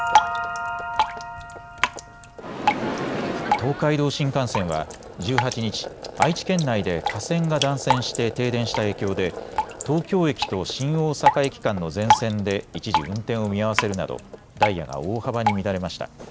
東海道新幹線は１８日、愛知県内で架線が断線して停電した影響で東京駅と新大阪駅間の全線で一時、運転を見合わせるなどダイヤが大幅に乱れました。